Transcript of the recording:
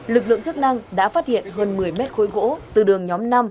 lực lượng chức năng đã phát hiện hơn một mươi mét khối gỗ từ đường nhóm năm